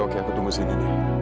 ya udah aku tunggu sini